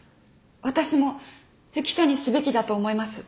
私も不起訴にすべきだと思います。